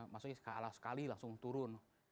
maksudnya kalah sekali langsung turun